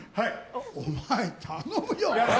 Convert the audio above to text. お前、頼むよ！